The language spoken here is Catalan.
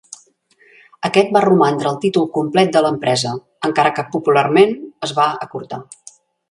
Aquest va romandre el títol complet de l'empresa, encara que popularment es va acurtar.